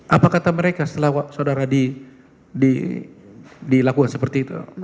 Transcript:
apa kata mereka setelah saudara dilakukan seperti itu